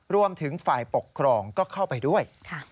รวมถึงฝ่ายปกครองก็เข้าไปด้วย